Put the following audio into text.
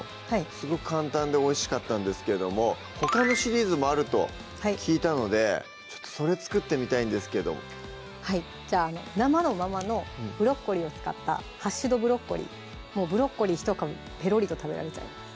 すごく簡単でおいしかったんですけどもほかのシリーズもあると聞いたのでそれ作ってみたいんですけどはいじゃあ生のままのブロッコリーを使った「ハッシュドブロッコリー」もうブロッコリーひと株ペロリと食べられちゃいます